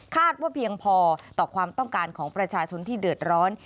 ว่าเพียงพอต่อความต้องการของประชาชนที่เดือดร้อน